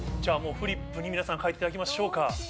フリップに皆さん書いていただきましょうか。